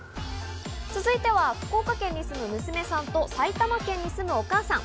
続いては、福岡県に住む娘さんと埼玉県に住むお母さん。